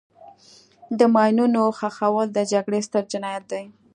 د ماینونو ښخول د جګړې ستر جنایت دی.